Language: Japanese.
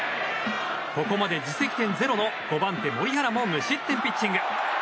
ここまで自責点０の５番手、森原も無失点ピッチング。